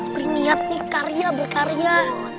beringat nih karya berkarya